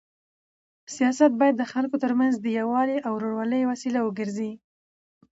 سیاست باید د خلکو تر منځ د یووالي او ورورولۍ وسیله وګرځي.